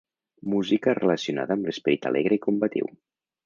Música relacionada amb l’esperit alegre i combatiu.